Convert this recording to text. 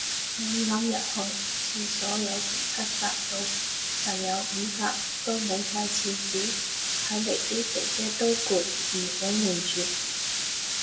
啱啱一去，廁所有成七格到。但有五格，都冇晒廁紙，睇嚟啲姐姐都累，唔想換住